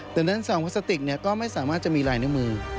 ดังนั้นซองพลาสติกก็ไม่สามารถจะมีลายนิ้วมือ